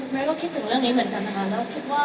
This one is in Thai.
เราก็คิดถึงเรื่องนี้เหมือนกันค่ะ